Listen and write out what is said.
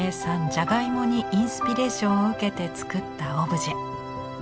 じゃがいもにインスピレーションを受けて作ったオブジェ。